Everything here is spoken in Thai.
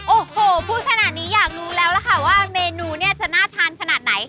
โอ้โหพูดขนาดนี้อยากรู้แล้วล่ะค่ะว่าเมนูเนี่ยจะน่าทานขนาดไหน